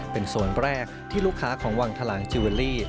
เป็นส่วนแรกที่ลูกค้าของวังทะลางจิเวอรี่